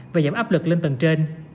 và giảm áp lực lên tầng trên